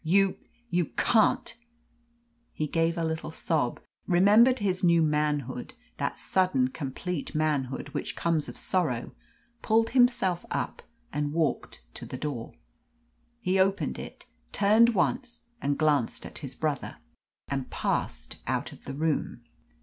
You you can't " He gave a little sob, remembered his new manhood that sudden, complete manhood which comes of sorrow pulled himself up, and walked to the door. He opened it, turned once and glanced at his brother, and passed out of the room.